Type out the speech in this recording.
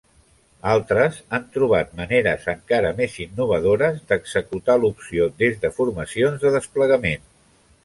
Altres han trobat maneres encara més innovadores d'executar l'opció des de formacions de desplegament.